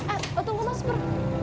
eh eh tunggu mas pur